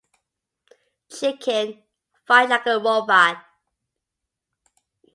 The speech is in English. Chicken, fight like a robot.